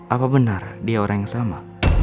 apa benar dia orang yang sama